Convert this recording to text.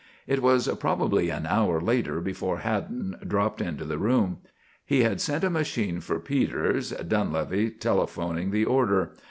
It was probably an hour later before Haddon dropped into the room. He had sent a machine for Peters, Dunlevy telephoning the order.